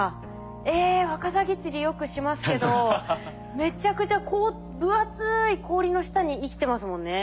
えワカサギ釣りよくしますけどめちゃくちゃ分厚い氷の下に生きてますもんね。